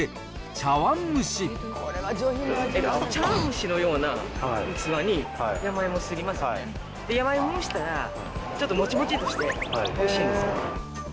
茶わん蒸しのような器に、山芋をすりますよね、山芋蒸したら、ちょっともちもちっとしておいしいんですよ。